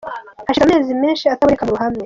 Hashize amezi menshi ataboneka mu ruhame.